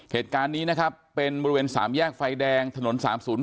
เหตุการณ์นี้นะครับเป็นบริเวณ๓แยกไฟแดงถนน๓๐๔